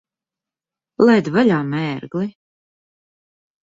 Laid vaļā, mērgli!